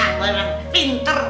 ah lu emang pinter